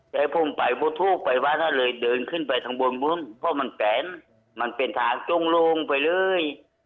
แต่ผมไปทุกไปว่าถ้าเลยเดินขึ้นไปถังบนมึงพอมันแกนมันเป็นถามจงโลงไปเลย